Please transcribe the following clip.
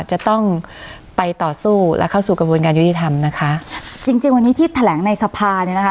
จะต้องไปต่อสู้และเข้าสู่กระบวนการยุติธรรมนะคะจริงจริงวันนี้ที่แถลงในสภาเนี่ยนะคะ